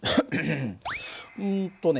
うんとね